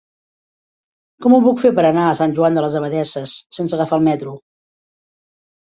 Com ho puc fer per anar a Sant Joan de les Abadesses sense agafar el metro?